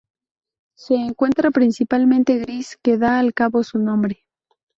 Se encuentra principalmente gris que da al cabo su nombre.